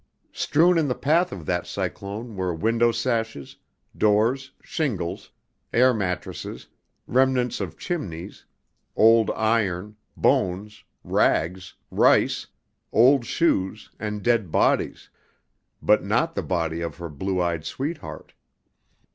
Strewn in the path of that cyclone were window sashes, doors, shingles, hair mattresses, remnants of chimneys, old iron, bones, rags, rice, old shoes and dead bodies; but not the body of her blue eyed sweetheart.